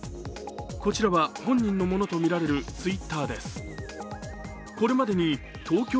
こちらは本人のものとみられるＴｗｉｔｔｅｒです。